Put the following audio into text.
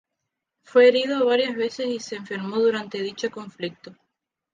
Fue herido varias veces y se enfermó durante dicho conflicto.